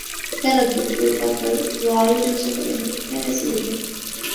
كان الدّكتور باكر يعالج زبائنه في منازلهم.